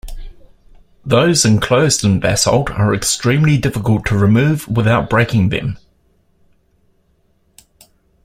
Those enclosed in basalt are extremely difficult to remove without breaking them.